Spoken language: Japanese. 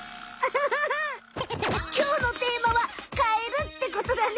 きょうのテーマはカエルってことだね。